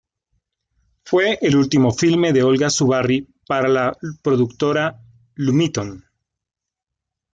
Fue el último filme de Olga Zubarry para la productora Lumiton.